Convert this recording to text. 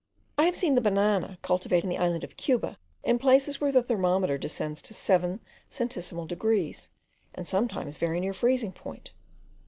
I have seen the banana cultivated in the island of Cuba, in places where the thermometer descends to seven centesimal degrees, and sometimes very near freezing point.